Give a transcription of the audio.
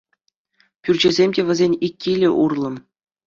Пӳрчӗсем те вӗсен ик кил урлӑ.